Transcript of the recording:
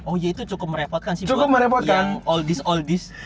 oh iya itu cukup merepotkan sih buat yang oldies oldies